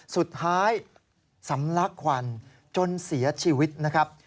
สุดท้ายสำลักควันจนเสียชีวิตนะครับ